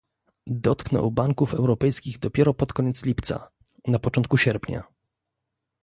Dotknął banków europejskich dopiero pod koniec lipca - na początku sierpnia